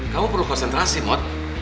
kamu perlu konsentrasi mod